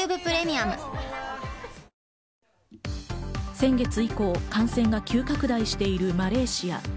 先月以降、感染が急拡大しているマレーシア。